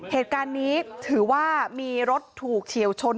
เหตุการณ์นี้ถือว่ามีรถถูกเฉียวชน